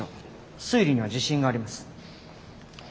推理には自信があります。